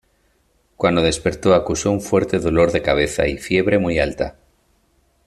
Cuando despertó acusó un fuerte dolor de cabeza y fiebre muy alta.